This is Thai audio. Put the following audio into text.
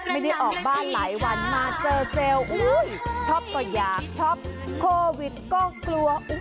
ไม่ได้ออกบ้านหลายวันมาเจอเซลล์ช็อปก็อยากช็อปโควิดก็กลัว